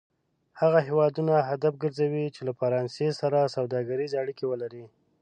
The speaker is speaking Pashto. هغه هېوادونه هدف کرځوي چې له فرانسې سره سوداګریزې اړیکې ولري.